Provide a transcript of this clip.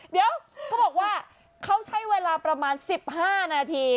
เดี๋ยวเขาบอกว่าเขาใช้เวลาประมาณ๑๕นาที